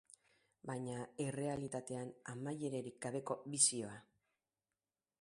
Baina errealitatean amaierarik gabeko bizioa.